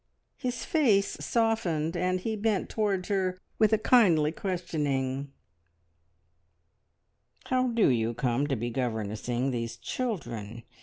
His face softened, and he bent towards her with a kindly questioning. "How do you come to be governessing these children?